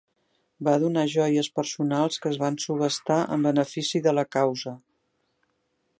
Va donar joies personals que es van subhastar en benefici de la causa.